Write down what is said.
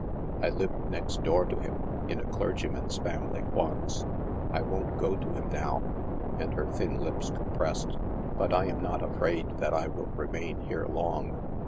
I lived next door to him, in a clergyman's family, once. I won't go to him now" — and her thin lips compressed —" but I am not afraid that I will remain here long.